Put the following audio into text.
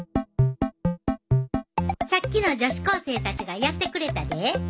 さっきの女子高生たちがやってくれたで。